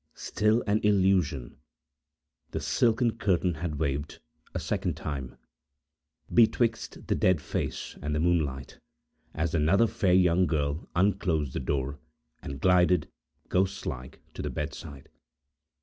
Still an illusion! The silken curtain had waved, a second time, betwixt the dead face and the moonlight, as another fair young girl unclosed the door, and glided, ghost like, to the bedside.